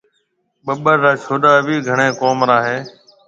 ٻُٻڙ را ڇوُڏآ ڀِي گھڻي ڪوم را هيَ۔